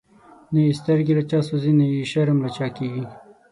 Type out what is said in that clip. نه یی سترگی له چا سوځی، نه یی شرم له چا کیږی